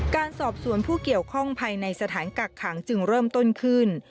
การสอบสวนผู้เกี่ยวข้องภายในสถานกักขังจึงเริ่มต้นขึ้น